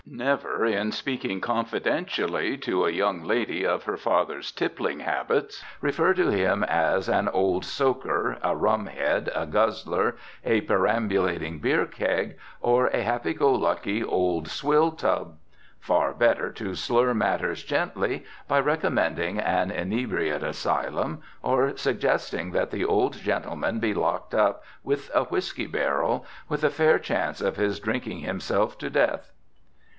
Never, in speaking confidentially to a young lady of her father's tippling habits, refer to him as "an old soaker," "a rum head," "a guzzler," "a perambulating beer keg," or "a happy go lucky old swill tub." Far better to slur matters gently by recommending an inebriate asylum, or suggesting that the old gentleman be locked up with a whisky barrel, with a fair chance of his drinking himself to death.